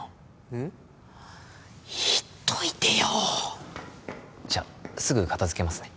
言っといてよじゃすぐ片づけますね